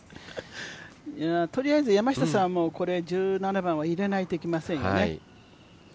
とりあえず山下さんはこれは１７番は入れないといけませんよね。